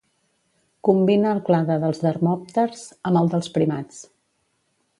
Combina el clade dels dermòpters amb el dels primats.